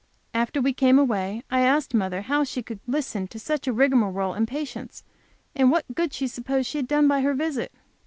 After we came away, I asked mother how she could listen to such a rigmarole in patience, and what good she supposed she had done by her visit.